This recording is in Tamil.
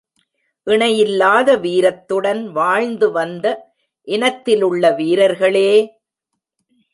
இணையில்லாத வீரத்துடன் வாழ்ந்து வந்த இனத்திலுள்ள வீரர்களே!